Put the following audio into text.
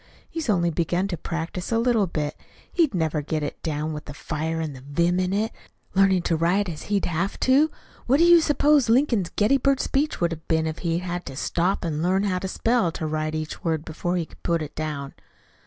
He's only begun to practice a little bit. He'd never get it down, with the fire and the vim in it, learning to write as he'd have to. What do you suppose Lincoln's Gettysburg Speech would have been if he'd had to stop to learn how to spell and to write each word before he could put it down?"